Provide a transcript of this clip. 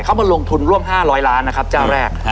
เขามาลงทุนร่วม๕๐๐ล้านนะครับเจ้าแรก